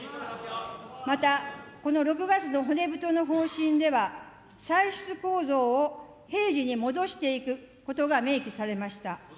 また、この６月の骨太の方針では、歳出構造を平時に戻していくことが明記されました。